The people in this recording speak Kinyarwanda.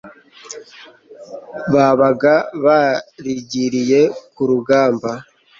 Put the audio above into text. babaga barigiriye ku rugamba.